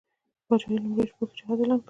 د پاچهي لومړیو شپو کې جهاد اعلان کړ.